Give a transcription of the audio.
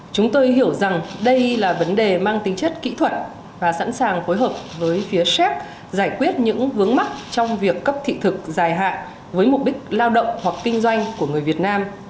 chúng tôi hiểu rằng đây là vấn đề mang tính chất kỹ thuật và sẵn sàng phối hợp với phía séc giải quyết những vướng mắt trong việc cấp thị thực dài hạn với mục đích lao động hoặc kinh doanh của người việt nam